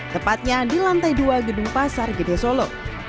tepatnya di lantai dua gedung pasar gede solo